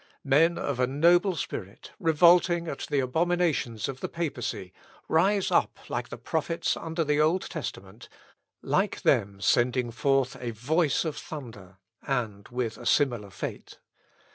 Men of a noble spirit, revolting at the abominations of the Papacy, rise up like the prophets under the Old Testament, like them sending forth a voice of thunder, and with a similar fate.